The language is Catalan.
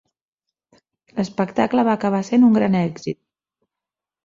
L"espectable va acabar sent un gran èxit.